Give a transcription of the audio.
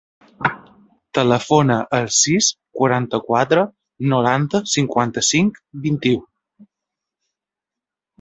Telefona al sis, quaranta-quatre, noranta, cinquanta-cinc, vint-i-u.